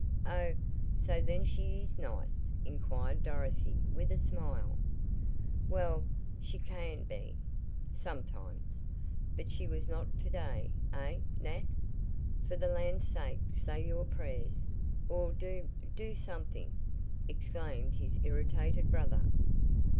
"Oh, so then she is nice?" inquired Dorothy with a smile. "Well, she can be sometimes. But she was not to day eh, Nat?" "For the land sake, say your prayers, or do do something!" exclaimed his irritated brother.